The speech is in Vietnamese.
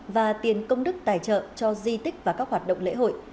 và tiền công đức tài trợ cho di tích và các hoạt động lễ hội